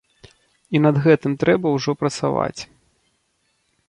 І над гэтым трэба ўжо працаваць.